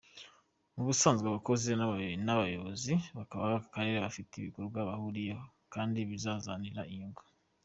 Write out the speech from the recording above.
Mu busanzwe abakozi n’abayobozi b’aka karere bafite ibikorwa bahuriyeho kandi bibazanira inyungu.